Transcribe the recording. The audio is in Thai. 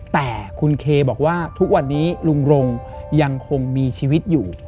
แต่คุณเคบอกว่าทุกวันนี้ลุงรงยังคงมีชีวิตอยู่